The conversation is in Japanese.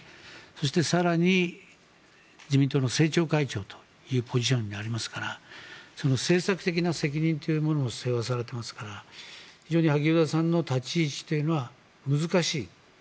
そして、更に自民党の政調会長というポジションになりますから政策的な責任というものを背負わされていますから非常に萩生田さんの立ち位置というのは難しい。